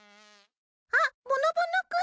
あっぼのぼの君！